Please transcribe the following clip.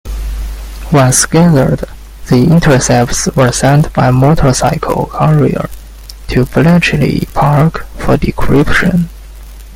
Once gathered, the intercepts were sent by motorcycle courier to Bletchley Park, for decryption.